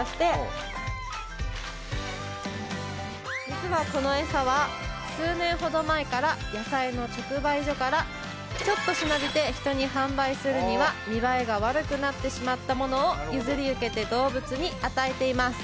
実はこのエサは数年ほど前から野菜の直売所からちょっとしなびて人に販売するには見栄えが悪くなってしまったものを譲り受けて動物に与えています